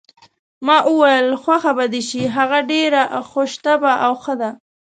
ما وویل: خوښه به دې شي، هغه ډېره خوش طبع او ښه ده.